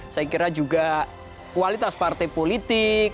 saya kira juga kualitas partai politik